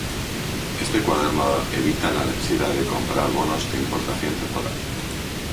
Este cuaderno evita la necesidad de comprar bonos de importación temporal.